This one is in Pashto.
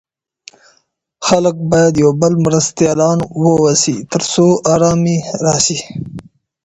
خلګ بايد يو د بل مرستيالان واوسي تر څو ارامي راسي.